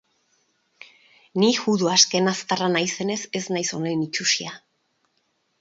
Ni, judu askenaztarra naizenez, ez naiz honen itsusia.